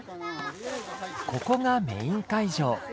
ここがメイン会場。